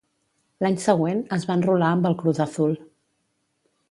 L'any següent, es va enrolar amb el Cruz Azul.